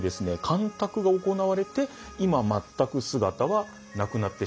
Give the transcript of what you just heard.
干拓が行われて今全く姿はなくなってしまいました。